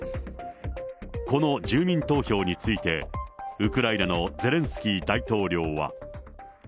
この住民投票について、ウクライナのゼレンスキー大統領は。